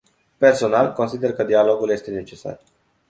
Personal, consider că dialogul este necesar.